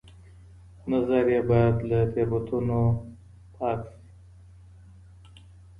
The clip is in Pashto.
نظريې بايد له تېروتنو پاکي سي.